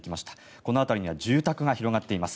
この辺りには住宅が広がっています。